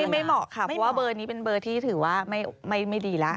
ไม่เหมาะค่ะเพราะว่าเบอร์นี้เป็นเบอร์ที่ถือว่าไม่ดีแล้ว